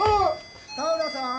田浦さん？